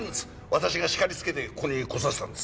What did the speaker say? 私が叱りつけてここに来させたんです。